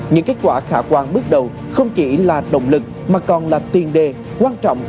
những kết quả khả quan bước đầu không chỉ là động lực mà còn là tiền đề quan trọng